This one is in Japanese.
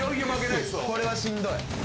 これはしんどい。